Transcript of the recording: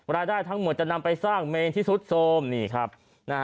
รายได้ทั้งหมดจะนำไปสร้างเมนที่สุดโทรม